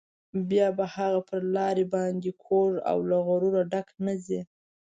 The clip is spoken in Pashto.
بیا به هغه پر لار باندې کوږ او له غروره ډک نه ځي.